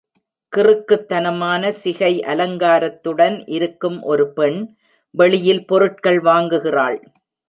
கிறுக்குத்தனமான சிகை அலங்காரத்துடன் இருக்கும் ஒரு பெண் வெளியில் பொருட்கள் வாங்குகிறாள்.